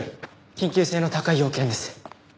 緊急性の高い用件です。